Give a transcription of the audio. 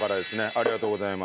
ありがとうございます。